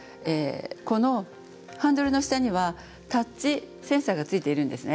このハンドルの下にはタッチセンサーがついているんですね。